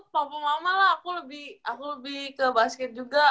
mampu mama lah aku lebih ke basket juga